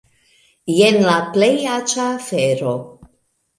Jen la plej aĉa afero!